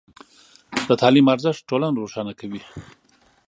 د تعلیم ارزښت ټولنه روښانه کوي.